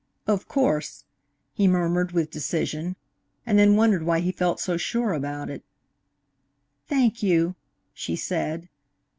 "Of course," he murmured with decision, and then wondered why he felt so sure about it. "Thank you," she said.